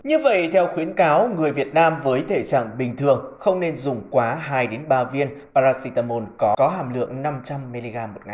như vậy theo khuyến cáo người việt nam với thể trạng bình thường không nên dùng quá hai ba viên paracetamol có hàm lượng năm trăm linh mg một ngày